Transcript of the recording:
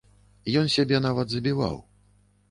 Ён сябе нават забіваў.